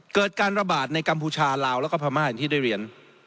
เกิดการระบาดในกัมพูชาลาวแล้วก็พม่าอย่างที่ได้เรียน